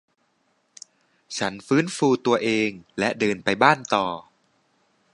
ฉันฟื้นฟูตัวเองและเดินไปบ้านต่อ